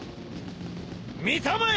見たまえ！